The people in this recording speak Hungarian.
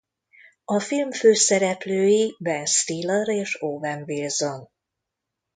A film főszereplői Ben Stiller és Owen Wilson.